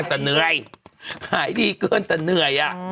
กูจะเจ้าตลอดทุกวันทุกวันนะไอ้ผี